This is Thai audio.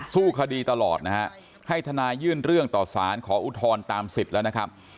สู้คดีตลอดนะฮะให้ทนายยื่นเรื่องต่อสารขออุทธรณ์ตามสิทธิ์แล้วนะครับ